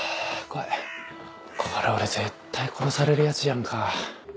これ俺絶対殺されるやつじゃんか。